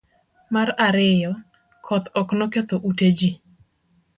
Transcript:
mar ariyo. koth ok noketho ute ji